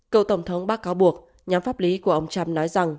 cựu tổng thống bác cáo buộc nhóm pháp lý của ông trump nói rằng